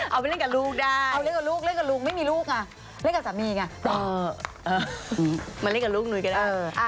เอามาเล่นกับลูกได้เงินกับลูกนุ้ยให้โน้นก็ได้